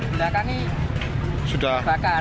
belakangnya sudah bakar